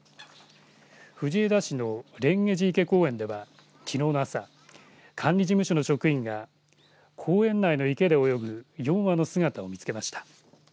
藤枝市の蓮華寺池公園では、きのうの朝管理事務所の職員が公園内の池で泳ぐ４羽の姿を見つけました。